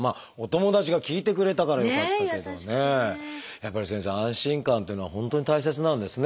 やっぱり先生安心感っていうのは本当に大切なんですね。